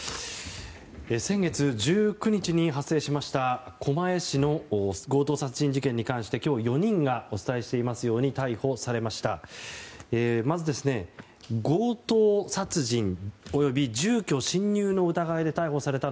先月１９日に発生しました狛江市の強盗殺人事件に関してお伝えしていますように今日、４人が逮捕されました。